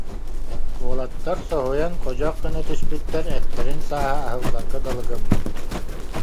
Уолаттар соһуйан ходьох гына түспүттэр, эттэрин сааһа аһылларга дылы гыммыт